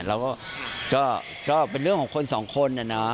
แล้วก็เป็นเรื่องของคนสองคนนะ